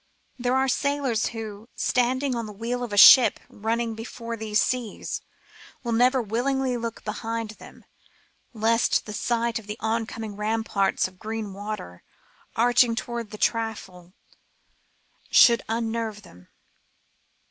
There are sailors who, standing at the wheel of a ship running before these seas, will never willingly look behind them, lest the sight of the oncoming rampart of green water arching towards the taffrail should unnerve them.